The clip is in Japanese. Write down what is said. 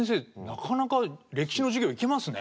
なかなか歴史の授業いけますね。